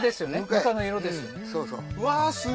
糠の色ですよね